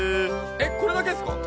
えっこれだけですか！？